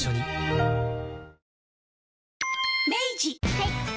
はい。